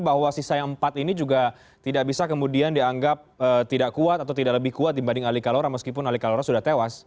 bahwa sisa yang empat ini juga tidak bisa kemudian dianggap tidak kuat atau tidak lebih kuat dibanding ali kalora meskipun ali kalora sudah tewas